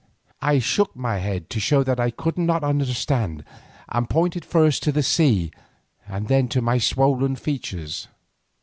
I shook my head to show that I could not understand, and pointed first to the sea and then to my swollen features.